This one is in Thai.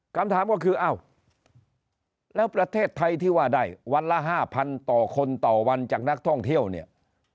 คำถามก็คืออ้าวแล้วประเทศไทยที่ว่าได้วันละ๕๐๐ต่อคนต่อวันจากนักท่องเที่ยวเนี่ย